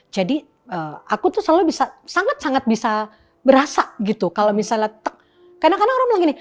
jadi aku tuh selalu bisa sangat sangat bisa berasa gitu kalau misalnya kadang kadang orang bilang gini